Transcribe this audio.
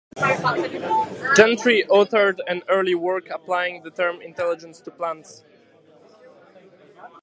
Gentry authored an early work applying the term intelligence to plants.